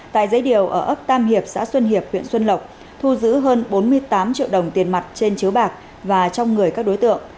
tại giấy điều ở ấp tam hiệp xã xuân hiệp huyện xuân lộc thu giữ hơn bốn mươi tám triệu đồng tiền mặt trên chiếu bạc và trong người các đối tượng